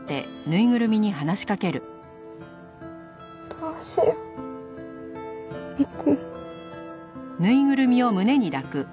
どうしようモコ。